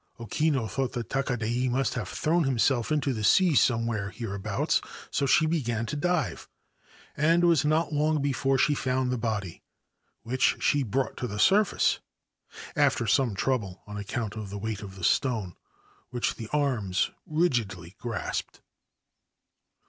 O Kinu thought that Takadai must have thrown himself into the sea some where hereabouts : so she began to dive, and was not long before she found the body, which she brought to the surface, after some trouble on account of the weight of the stone which the arms rigidly grasped.